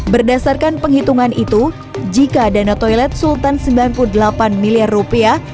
berdasarkan penghitungan itu jika dana toilet sultan sembilan puluh delapan miliar rupiah